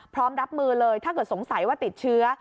พร้อมรับมือเลยถ้าเกิดสงสัยว่าติดเชื้อ